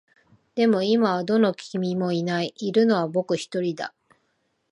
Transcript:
でも、今はどの君もいない。いるのは僕一人だ。